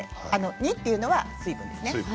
２というのは水分ですね。